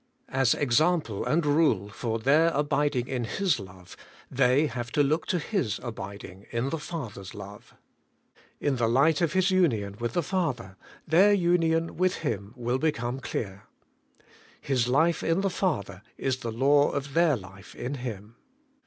As example and rule for their abiding in His love, they have to look to His abiding in the Father's love. In the light of His union with the Father, their union with Him will become clear. His life in the Father is the law of their life in Him.